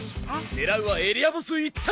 狙うはエリアボス一択！